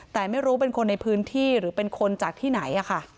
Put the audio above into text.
แต่ไม่รู้เป็นคนในพื้นที่หรือเป็นคนจากที่ไหน